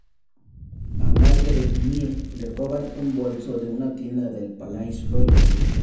A Margaret Muir le roban un bolso de una tienda del Palais-Royal.